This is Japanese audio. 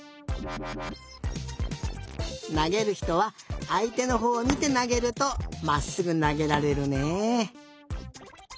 なげるひとはあいてのほうをみてなげるとまっすぐなげられるね。